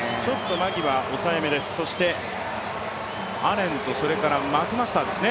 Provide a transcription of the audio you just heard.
マギは抑えめです、そしてアレンとマクマスターですね。